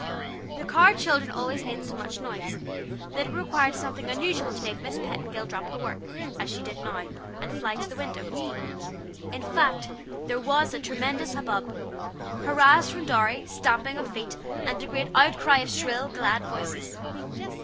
The Carr children always made so much noise, that it required something unusual to make Miss Petingill drop her work, as she did now, and fly to the window. In fact there was a tremendous hubbub: hurrahs from Dorry, stamping of feet, and a great outcry of shrill, glad voices.